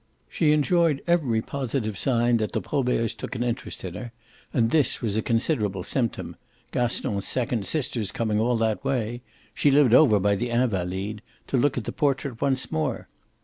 She enjoyed every positive sign that the Proberts took an interest in her, and this was a considerable symptom, Gaston's second sister's coming all that way she lived over by the Invalides to look at the portrait once more.